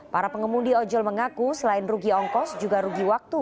para pengemudi ojol mengaku selain rugi ongkos juga rugi waktu